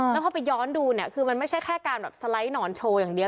แล้วพอไปย้อนดูเนี่ยคือมันไม่ใช่แค่การแบบสไลด์หนอนโชว์อย่างเดียว